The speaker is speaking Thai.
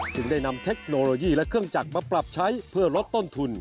จึงได้นำเทคโนโลยีและเครื่องจักรมาปรับใช้เพื่อลดต้นทุน